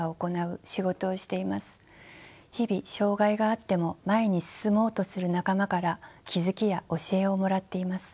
日々障がいがあっても前に進もうとする仲間から気付きや教えをもらっています。